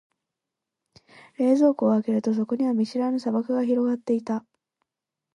冷蔵庫を開けると、そこには見知らぬ砂漠が広がっていた。